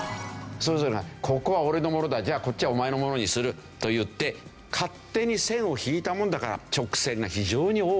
それぞれがここは俺のものだじゃあこっちはお前のものにするといって勝手に線を引いたもんだから直線が非常に多いという事になってるわけですよね。